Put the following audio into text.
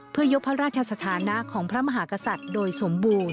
เพื่อยกพระราชสถานะของพระมหากษัตริย์โดยสมบูรณ